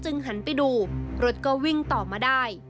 หันไปดูรถก็วิ่งต่อมาได้